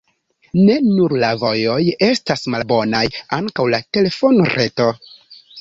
Ne nur la vojoj estas malbonaj, ankaŭ la telefonreto.